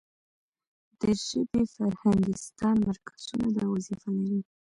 د ژبې فرهنګستان مرکزونه دا وظیفه لري.